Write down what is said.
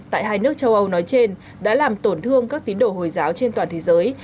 tại hai nước châu âu nói trên đã làm tổn thương các tín đồ hồi giáo trên toàn thế giới